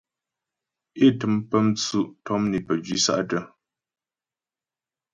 É tə́m pə́ mtsʉ' tɔm né pəjwǐ sa'tə́.